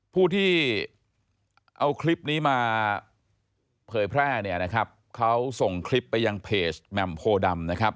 ผู้ที่เอาคลิปนี้มาเผยแพร่เนี่ยนะครับเขาส่งคลิปไปยังเพจแหม่มโพดำนะครับ